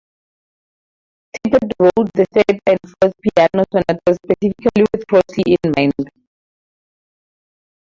Tippett wrote his third and fourth Piano sonatas specifically with Crossley in mind.